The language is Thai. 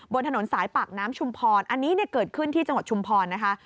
บนถนนสายปากน้ำชุมพรอันนี้เนี่ยเกิดขึ้นที่จังหวัดชุมพรนะคะ